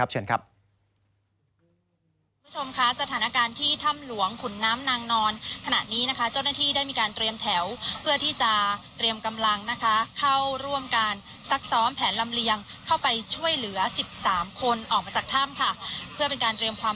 สิทธิ์ข่าวไทยรัตน์ทีวีของเรารายงานสดจากหน้าถ้ำหลวงที่จังหวัดเชียงราย